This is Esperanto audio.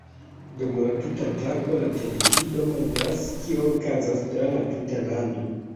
Dum la tuta tago la televido montras, kio okazas tra la tuta lando.